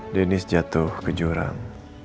dennis jatuh ke jurang